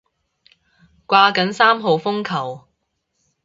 掛緊三號風球